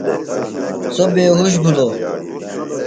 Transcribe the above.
سوۡ بے ہُش بِھلوۡ۔